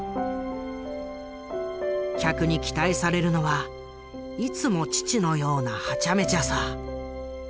客に期待されるのはいつも父のようなハチャメチャさ。